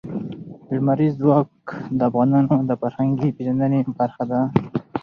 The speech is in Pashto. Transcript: لمریز ځواک د افغانانو د فرهنګي پیژندنې برخه ده.